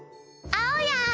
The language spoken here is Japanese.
あおやん？